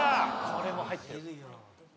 これも入ってる。